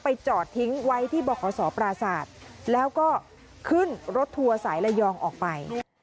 ไปจอดทิ้งไว้ที่บริกาสสอปราสาทแล้วก็ขึ้นรถทัวร์สายระยองออกไป